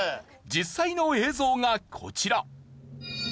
実際の映像がこちら。